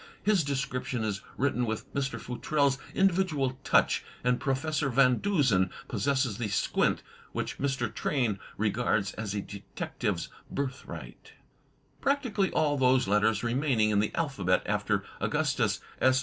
His description is written with Mr. Futrelle's individual touch, and Professor Van Dusen possesses the squint which Mr. Train regards as a detective's birthright: Practically all those letters remaining in the alphabet after Augustus S.